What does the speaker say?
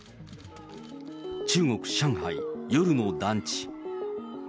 中国・上海、夜の団地。